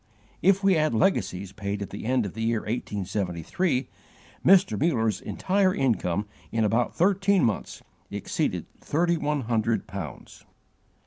If we add legacies paid at the end of the year 1873, Mr. Muller's entire income in about thirteen months exceeded thirty one hundred pounds.